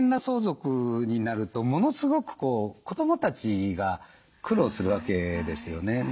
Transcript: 相続になるとものすごく子どもたちが苦労するわけですよね。